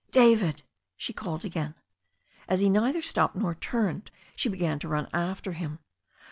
"David," she called again. As he neither stopped nor turned, she began to run after him.